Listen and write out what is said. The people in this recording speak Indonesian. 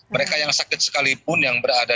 mereka yang sakit sekalipun yang berada